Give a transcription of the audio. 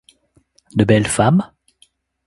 De belles femmes ?